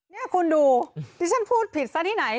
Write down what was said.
นี่คุณดูที่ฉันพูดผิดซะที่ไหน